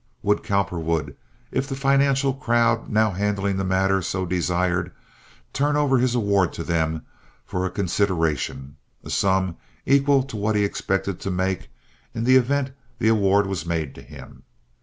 Would Cowperwood, if the financial crowd now handling the matter so desired, turn over his award to them for a consideration—a sum equal to what he expected to make—in the event the award was made to him?